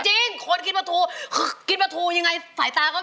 ใช่หรือนี่แว่นแบ๊ว